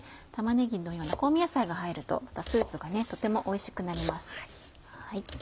玉ねぎのような香味野菜が入るとまたスープがとてもおいしくなります。